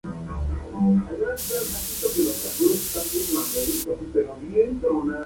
Fueron masacrados por ser sospechosos de colaborar o simpatizar con los comunistas.